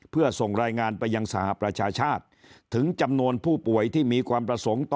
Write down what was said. เพื่อส่งรายงานไปยังสหประชาชาติถึงจำนวนผู้ป่วยที่มีความประสงค์ต่อ